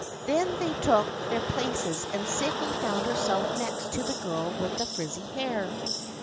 Then they took their places and Sydney found herself next to the girl with the frizzy hair.